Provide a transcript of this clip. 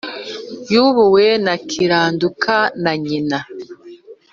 yubuwe na kiranduka na nyina